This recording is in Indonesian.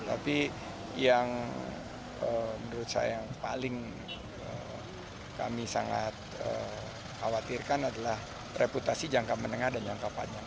tapi yang menurut saya yang paling kami sangat khawatirkan adalah reputasi jangka menengah dan jangka panjang